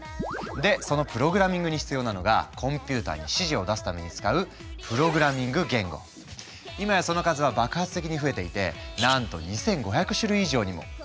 でそのプログラミングに必要なのがコンピューターに指示を出すために使う今やその数は爆発的に増えていてなんと２，５００種類以上にも。